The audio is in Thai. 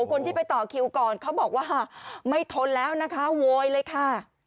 คนที่ไปต่อคิวก่อนเขาบอกว่าไม่ทนแล้วนะคะโวยเลยค่ะ